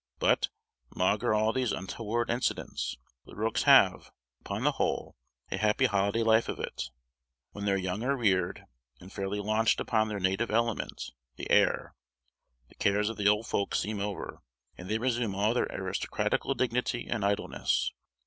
But, maugre all these untoward incidents, the rooks have, upon the whole, a happy holiday life of it. When their young are reared, and fairly launched upon their native element, the air, the cares of the old folks seem over, and they resume all their aristocratical dignity and idleness.